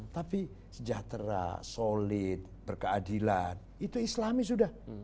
tapi sejahtera solid berkeadilan itu islami sudah